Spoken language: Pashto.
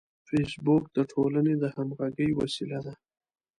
فېسبوک د ټولنې د همغږۍ وسیله ده